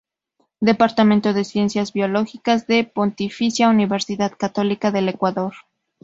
Departamento de Ciencias Biológicas", de Pontificia Universidad Católica del Ecuador.